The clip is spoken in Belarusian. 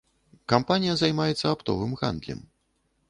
Кампанія займаецца аптовым гандлем.